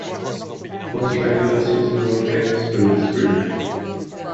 Most regular season road games will be streamed.